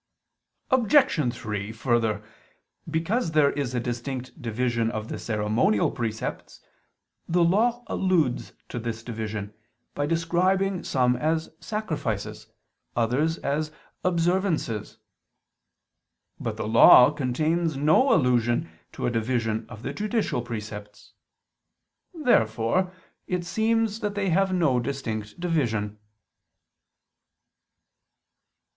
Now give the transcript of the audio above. Obj. 3: Further, because there is a distinct division of the ceremonial precepts, the Law alludes to this division, by describing some as "sacrifices," others as "observances." But the Law contains no allusion to a division of the judicial precepts. Therefore it seems that they have no distinct division.